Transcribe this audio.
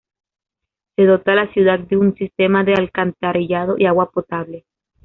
Se dota a la ciudad de un sistema de alcantarillado y agua potable.